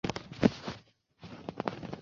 前燕建熙元年。